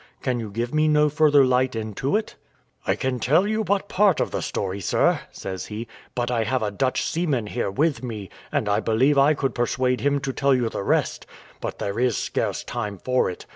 Can you give me no further light into it?" "I can tell you but part of the story, sir," says he; "but I have a Dutch seaman here with me, and I believe I could persuade him to tell you the rest; but there is scarce time for it.